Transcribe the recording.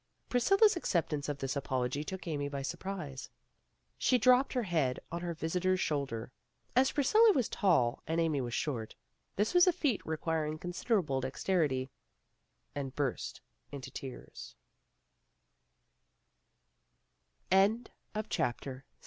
Priscilla 's acceptance of this apology took Amy by surprise. She dropped her head on her visitor's shoulder as Priscilla was tall and Amy was short, this was a feat requiring considerable dexterity and